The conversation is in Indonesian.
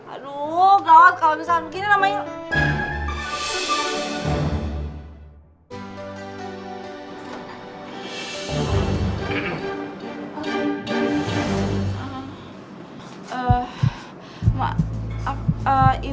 aduh gawat kalo misalnya begini lah